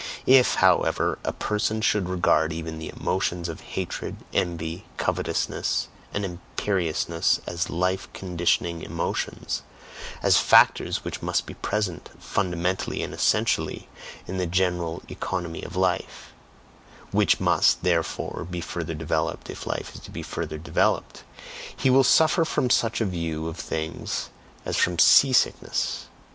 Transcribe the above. If, however, a person should regard even the emotions of hatred, envy, covetousness, and imperiousness as life conditioning emotions, as factors which must be present, fundamentally and essentially, in the general economy of life (which must, therefore, be further developed if life is to be further developed), he will suffer from such a view of things as from sea sickness.